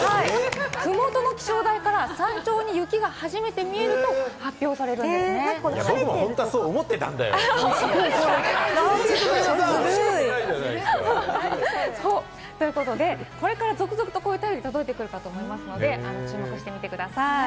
麓の気象台から山頂に雪が初めて見えると発表される本当はそう思ってたんだよ！ということで、これから続々とこういう便りが届いてくるかと思いますので、注目してみてください。